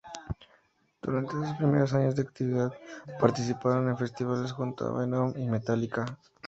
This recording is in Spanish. Durante sus primeros años de actividad participaron en festivales junto a Venom y Metallica.